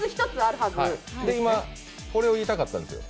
今、これを言いたかったんですよ。